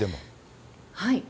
はい。